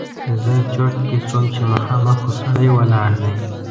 زه چرت کې شوم چې مخامخ خو سړی ولاړ دی!